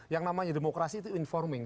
yang namanya demokrasi itu informing